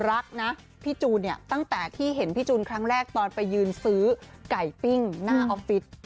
รักนะพี่จูนเนี่ยตั้งแต่ที่เห็นพี่จูนครั้งแรกตอนไปยืนซื้อไก่ปิ้งหน้าออฟฟิศ